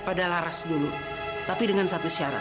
pada laras dulu tapi dengan satu syarat